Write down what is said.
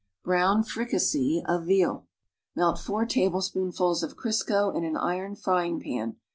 BROWN FRICASSEE OF VEAL Melt four tablespoonfuls of Crisco in an iron frying pan.